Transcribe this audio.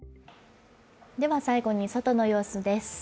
では最後に外の様子です。